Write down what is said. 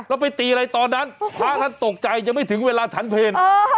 แล้วไปตีอะไรตอนนั้นพระท่านตกใจยังไม่ถึงเวลาฉันเพลง